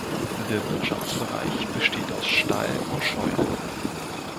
Der Wirtschaftsbereich besteht aus Stall und Scheune.